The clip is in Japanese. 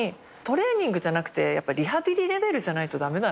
トレーニングじゃなくてリハビリレベルじゃないと駄目。